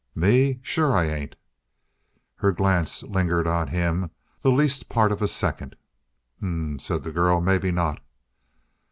"Me? Sure I ain't!" Her glance lingered on him the least part of a second. "H'm!" said the girl. "Maybe not."